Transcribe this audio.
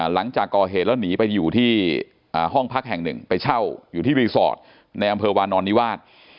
หลังจากก่อเหตุแล้วหนีไปอยู่ที่ห้องพักแห่งหนึ่งไปเช่าอยู่ที่รีสอร์ทในอำเภอวานอนนิวาส